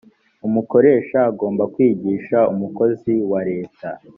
umukoresha agomba kwigisha umukozi wa leta